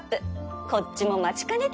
こっちも待ちかねた